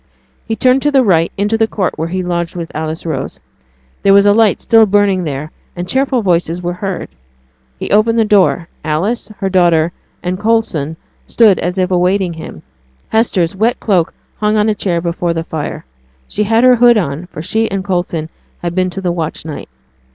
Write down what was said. He turned to the right, into the court where he lodged with Alice Rose. There was a light still burning there, and cheerful voices were heard. He opened the door; Alice, her daughter, and Coulson stood as if awaiting him. Hester's wet cloak hung on a chair before the fire; she had her hood on, for she and Coulson had been to the watch night.